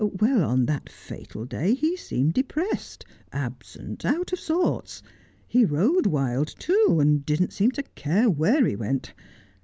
Well, on that fatal day he seemed depressed, absent, out of sorts. He rode wild too, and didn't seem to care where he went.